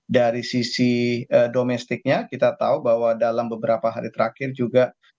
dari sisi domestiknya kita tahu bahwa dalam beberapa hari terakhir juga